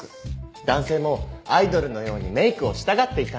男性もアイドルのようにメークをしたがっていたんです。